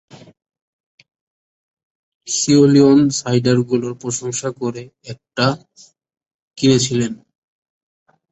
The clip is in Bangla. লিওন্স সাইডকারগুলোর প্রশংসা করে একটা কিনেছিলেন।